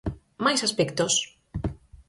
Máis aspectos.